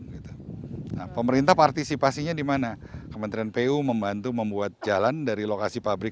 nah pemerintah partisipasinya di mana kementerian pu membantu membuat jalan dari lokasi pabrik